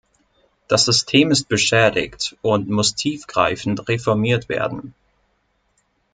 Das System ist beschädigt und muss tiefgreifend reformiert werden.